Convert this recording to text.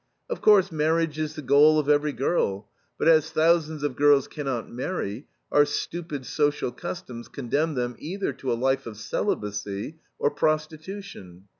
Of course, marriage is the goal of every girl, but as thousands of girls cannot marry, our stupid social customs condemn them either to a life of celibacy or prostitution.